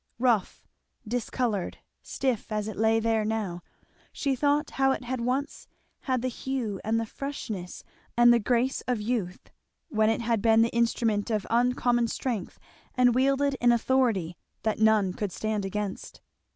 Rough, discoloured, stiff, as it lay there now, she thought how it had once had the hue and the freshness and the grace of youth, when it had been the instrument of uncommon strength and wielded an authority that none could stand against.